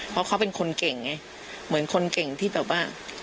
เพราะเขาเป็นคนเก่งไงเหมือนคนเก่งที่แบบว่า